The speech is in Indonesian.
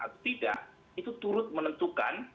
atau tidak itu turut menentukan